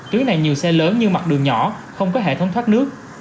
tuyến này nhiều xe lớn nhưng mặt đường nhỏ không có hệ thống thoát nước